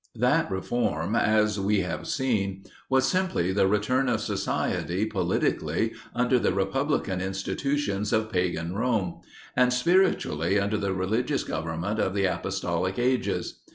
That reform, as we have seen, was simply the return of society, politically, under the republican institutions of pagan Rome; and, spiritually under the religious government of the apostolic ages.